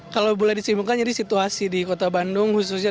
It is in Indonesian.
lalu bagaimana dengan kota bandung